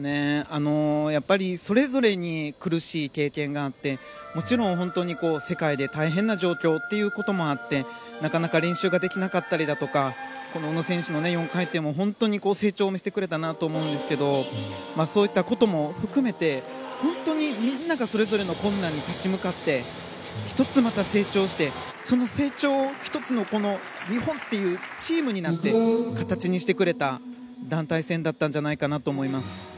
やっぱりそれぞれに苦しい経験があってもちろん世界で大変な状況ということもあってなかなか練習ができなかったりだとか宇野選手の４回転も本当に成長を見せてくれたなと思うんですがそういったことも含めてみんながそれぞれの困難に立ち向かって１つ、また成長してその成長を一つの日本というチームになって形にしてくれた団体戦だったんじゃないかなと思います。